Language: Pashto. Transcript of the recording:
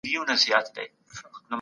د نورو مالونو ته په بد نظر مه ګورئ.